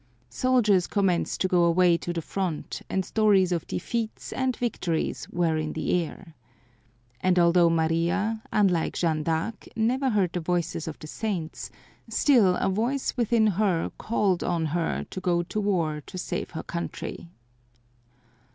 Soldiers commenced to go away to the front and stories of defeats and victories were in the air. And although Maria, unlike Jeanne d'Arc, never heard the voices of the Saints, still a voice within her called on her to go to war to save her country.